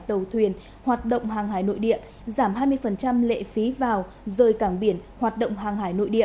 cụ thể bộ tài chính đề xuất giảm hai mươi lệ phí vào rời cảng biển hoạt động hàng hải nội địa